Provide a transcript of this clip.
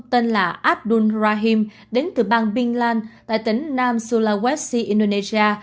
tên là abdul rahim đến từ bang binlan tại tỉnh nam sulawesi indonesia